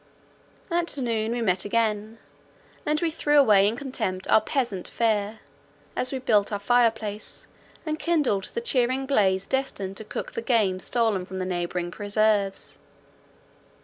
At noon we met again, and we threw away in contempt our peasant fare, as we built our fire place and kindled the cheering blaze destined to cook the game stolen from the neighbouring preserves.